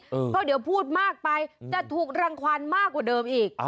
เพราะเดี๋ยวพูดมากไปจะถูกรางวัลมากกว่าเดิมอีก